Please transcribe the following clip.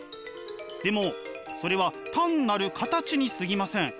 でもそれは単なる形にすぎません。